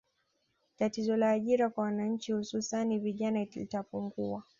Tatizo la ajira kwa wananchi hususani vijana litapungua